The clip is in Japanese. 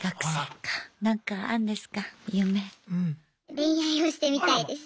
恋愛をしてみたいです。